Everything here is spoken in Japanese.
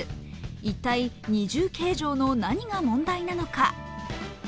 一体、二重計上の何が問題なのか。